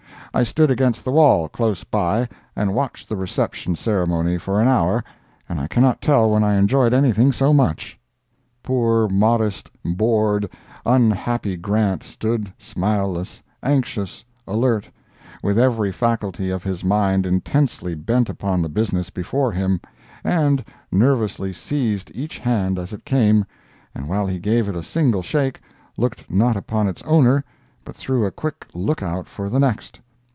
I stood against the wall, close by, and watched the reception ceremony for an hour, and I cannot tell when I enjoyed anything so much. Poor, modest, bored, unhappy Grant stood smileless, anxious, alert, with every faculty of his mind intensely bent upon the business before him, and nervously seized each hand as it came, and while he gave it a single shake, looked not upon its owner, but threw a quick look out for the next.